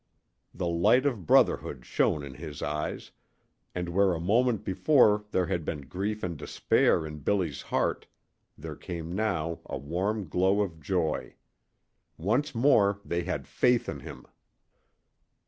The light of brotherhood shone in his eyes, and where a moment before there had been grief and despair in Billy's heart there came now a warm glow of joy. Once more they had faith in him!